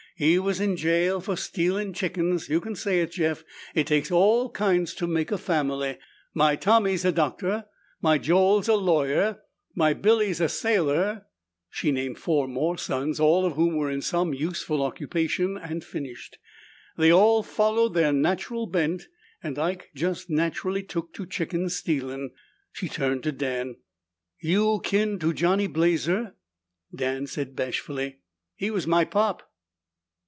"He was in jail for stealin' chickens. You can say it, Jeff. It takes all kinds to make a family. My Tommy's a doctor, my Joel's a lawyer, my Billy's a sailor " She named four more sons, all of whom were in some useful occupation, and finished, "They all followed their natural bent and Ike just naturally took to chicken stealin'." She turned to Dan. "You kin to Johnny Blazer?" Dan said bashfully, "He was my pop."